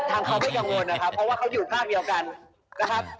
ทางเขาก็กังวลนะครับเพราะว่าเขาอยู่ภาคเดียวกันนะครับ